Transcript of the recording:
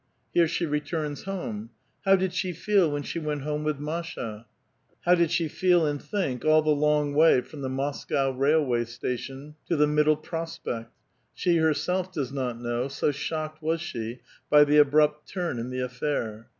Here she returns home. How did she feel when she went home with Masha? How did she feel and think all tbe long wa3' from the Moscow railway station to the Middle Pros pekt? She herself does not know, so shocked was she by the abrupt turn in the affair.